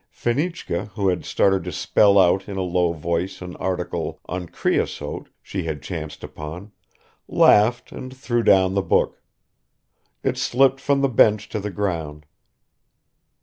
Fenichka, who had started to spell out in a low voice an article "On Creosote" she had chanced upon, laughed and threw down the book ... it slipped from the bench to the ground.